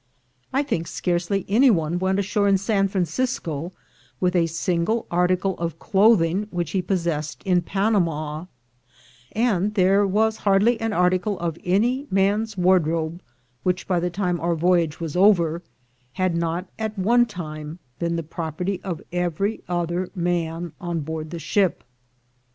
I think scarcely any one went ashore in San Francisco with a single article of clothing which he possessed in Panama; and there was hardly an article of any man's wardrobe, which, by the time our voyage was over, had not at one time been the property of every other man on board the ship.